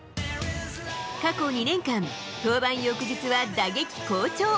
過去２年間、登板翌日は打撃好調。